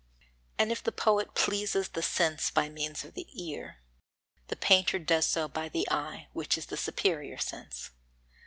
And if the poet pleases the sense by means of the ear, the painter does so by the eye, which is the superior sense.